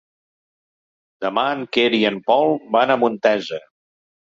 Demà en Quer i en Pol van a Montesa.